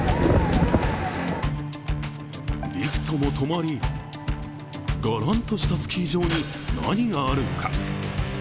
リフトも止まり、がらんとしたスキー場に何があるのか？